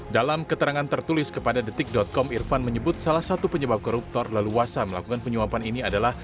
dalam keterangan tertulis kepada detik com irfan menyebut salah satu penyebab koruptor leluasa melakukan penyuapan ini adalah